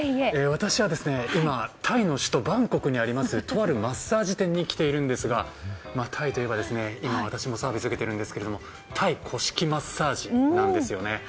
私は今タイの首都バンコクにありますとあるマッサージ店に来ているんですがタイといえば今私もサービスを受けていますがタイ古式マッサージなんですよね。